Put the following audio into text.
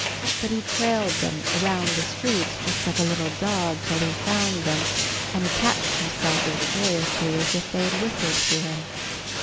But he trailed them around the streets just like a little dog till he found them, and attached himself as joyously as if they had whistled to him.